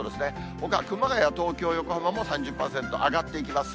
ほか、熊谷、東京、横浜も３０％、上がっていきます。